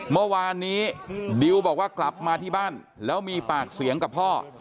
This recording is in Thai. เมื่อวานนี้ดิวบอกว่ากลับมาที่บ้านแล้วมีปากเสียงกับพ่อ